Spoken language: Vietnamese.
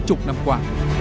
chục năm qua